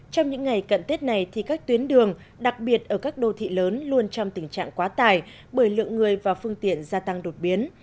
trong những ngày cận tết này thì các tuyến đường đặc biệt ở các đô thị lớn luôn trong tình trạng quá tải bởi lượng người và phương tiện gia tăng đột biến